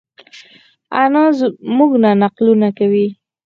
انا مونږ ته نقلونه کوی